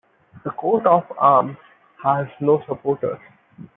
The coat of arms has no supporters.